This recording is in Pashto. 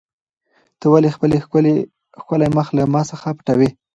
ته ولې خپل ښکلی مخ له ما څخه پټوې؟